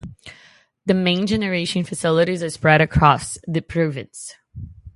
The main generation facilities are spread across the province.